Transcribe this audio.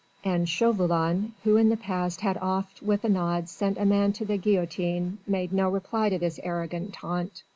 And Chauvelin, who in the past had oft with a nod sent a man to the guillotine, made no reply to this arrogant taunt.